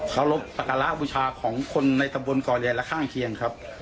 อรรบศักดิ์ระหวุชาของคนในสมบลกรณีรายละคร่างเคียง